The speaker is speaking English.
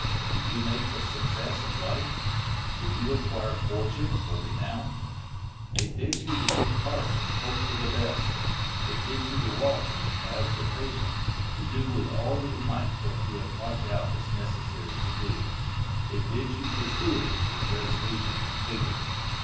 Would you make a success of life? Would you acquire fortune or renown? It bids you take heart and hope for the best. It bids you walk in the paths of patience, to do with all your might what you have marked out as necessary to do. It bids you pursue it with resolution and vigor.